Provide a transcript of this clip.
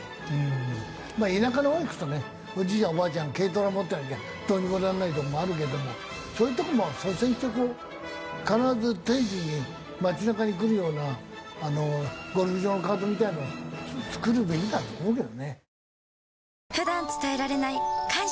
まあ田舎のほう行くとねおじいちゃんおばあちゃん軽トラ持ってなきゃどうにもならないとこもあるけれどもそういうとこも率先してこう必ず定時に街なかに来るようなあのゴルフ場のカートみたいのを作るべきだと思うけどね。